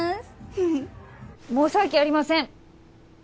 ふふっ申し訳ありません！